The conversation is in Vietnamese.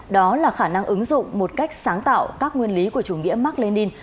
đó là khả năng ứng dụng một cách sáng tạo các nguyên lý của chủ nghĩa mark lenin